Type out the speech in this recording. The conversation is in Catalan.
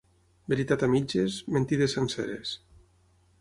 Veritat a mitges... mentides senceres.